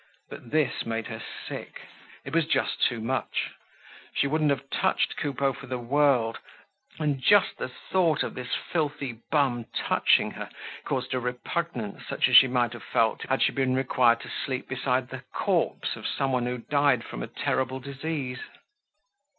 But this made her sick; it was too much. She wouldn't have touched Coupeau for the world, and just the thought of this filthy bum touching her caused a repugnance such as she might have felt had she been required to sleep beside the corpse of someone who had died from a terrible disease.